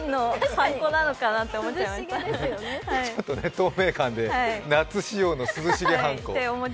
透明感で夏仕様の涼しげはんこ。